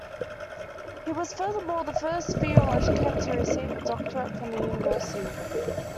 He was, furthermore, the first theologian to receive a doctorate from the university.